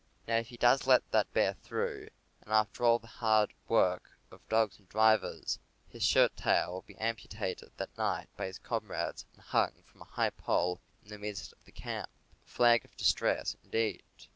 Now if he does let that bear go through, after all the hard work of dogs and drivers, his shirt tail will be amputated that night by his comrades and hung from a high pole in the midst of the camp — a flag of dis tress indeed!